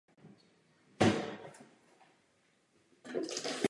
Gondoly motorů pak plynule přecházely v nosníky ocasních ploch.